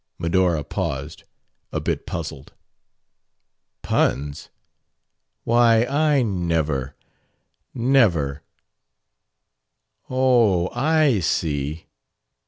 Medora paused, a bit puzzled. "Puns? Why, I never, never Oh, I see!"